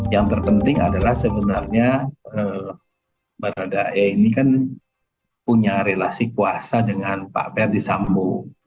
yang terpenting adalah sebenarnya baradae ini kan punya relasi kuasa dengan pak verdi sambo